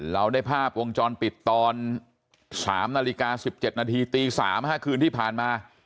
เราได้ภาพวงจรปิดตอน๓นาฬิกา๑๗นาทีตี๓คืนที่ผ่านมา